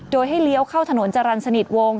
โดยให้เลี้ยวเข้าถนนจรรย์สนิทวง